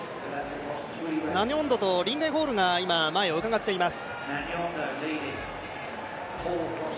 ナニョンドとリンデン・ホールが今、前をうかがっています。